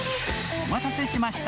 お待たせしました。